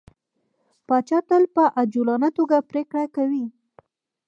پاچا تل په عجولانه ټوګه پرېکړه کوي.